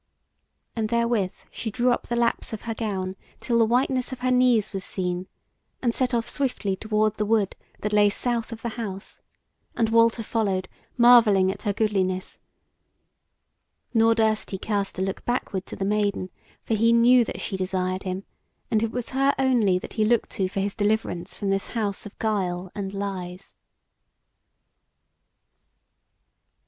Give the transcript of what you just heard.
And therewith she drew up the laps of her gown till the whiteness of her knees was seen, and set off swiftly toward the wood that lay south of the house, and Walter followed, marvelling at her goodliness; nor durst he cast a look backward to the Maiden, for he knew that she desired him, and it was her only that he looked to for his deliverance from this house of guile and lies.